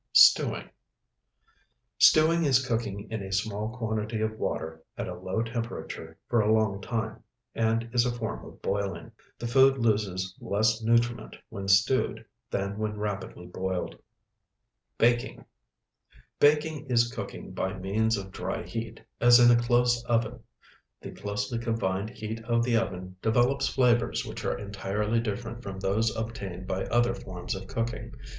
STEWING Stewing is cooking in a small quantity of water at a low temperature for a long time, and is a form of boiling. The food loses less nutriment when stewed than when rapidly boiled. BAKING Baking is cooking by means of dry heat, as in a close oven. The closely confined heat of the oven develops flavors which are entirely different from those obtained by other forms of cooking.